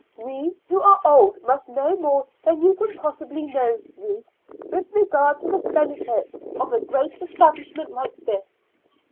We who are old must know more than you can possibly know, Ruth, with regard to the benefits of a great establishment like this.